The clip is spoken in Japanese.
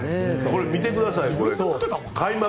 これ見てください。